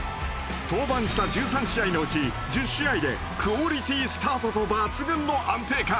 登板した１３試合のうち１０試合でクオリティースタートと抜群の安定感。